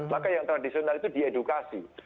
maka yang tradisional itu diedukasi